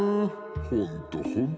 ほんとほんと」。